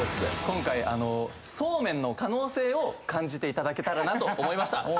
今回そうめんの可能性を感じていただけたらなと思いました